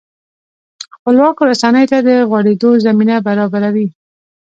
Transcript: خپلواکو رسنیو ته د غوړېدو زمینه برابروي.